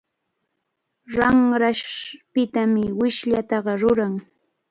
Ramrashpitami wishllataqa ruran.